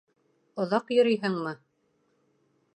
— Оҙаҡ йөрөйһөңмө?